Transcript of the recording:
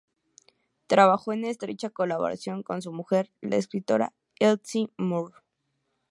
Trabajó en estrecha colaboración con su mujer, la escritora C. L. Moore.